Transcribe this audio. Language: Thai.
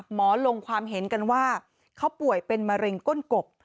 ลงความเห็นกันว่าเขาป่วยเป็นมะเร็งก้นกบ